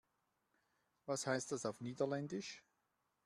Was heißt das auf Niederländisch?